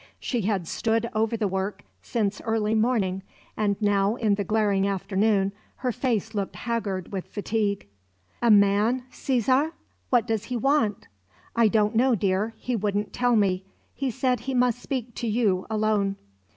She had stood over the work since early morning; and now, in the glaring afternoon, her face looked haggard with fatigue. "A man, Cesare? What does he want?" "I don't know, dear. He wouldn't tell me. He said he must speak to you alone."